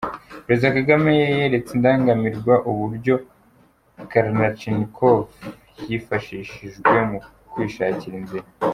Perezida Kagame yeretse Indangamirwa uburyo Kalachnikov yifashishijwe mu kwishakira inzira.